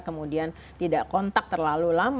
kemudian tidak kontak terhadap kulit